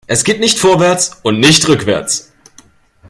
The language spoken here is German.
Es geht nicht vorwärts und nicht rückwärts.